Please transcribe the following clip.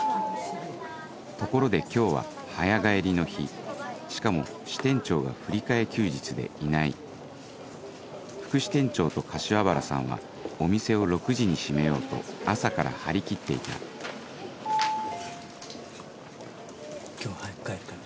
ところで今日は早帰りの日しかも支店長が振り替え休日でいない副支店長と柏原さんはお店を６時に閉めようと朝から張り切っていた今日早く帰るから。